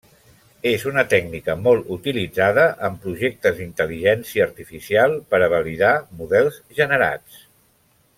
És una tècnica molt utilitzada en projectes d'intel·ligència artificial per a validar models generats.